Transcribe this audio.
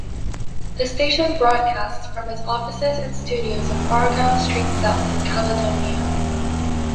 The station broadcasts from its offices and studios on Argyle Street South in Caledonia.